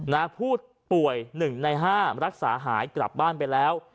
ผู้ป่วย๑ใน๕รักษาหายกลับบ้านไปแล้ว